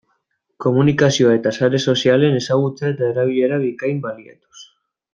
Komunikazioa eta sare sozialen ezagutza eta erabilera bikain baliatuz.